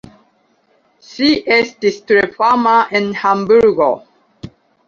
Ŝi estis tre fama en Hamburgo.